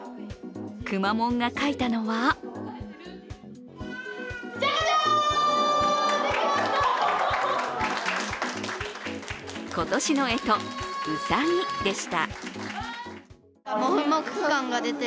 くまモンが書いたのは今年のえと、うさぎでした。